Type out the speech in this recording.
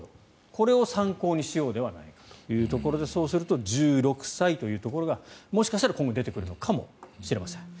これを参考にしようではないかというところでそうすると１６歳というところがもしかしたら今後出てくるかもしれません。